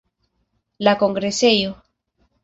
La kongresejo.